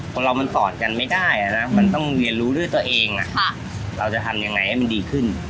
คนเรามันสอนกันไม่ได้นะมันต้องเรียนรู้ด้วยตัวเองเราจะทำยังไงให้มันดีขึ้น